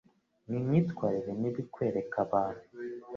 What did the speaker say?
Ni imyitwarire mibi kwereka abantu.